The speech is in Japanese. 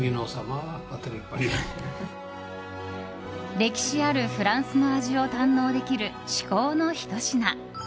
歴史あるフランスの味を堪能できる、至高のひと品。